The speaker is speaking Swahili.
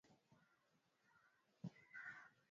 umuhimu wake katika kundi unaweza kuwa wazo muhimu